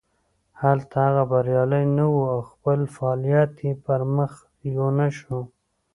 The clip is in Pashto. هلته هغه بریالی نه و او خپل فعالیت یې پرمخ یو نه شو.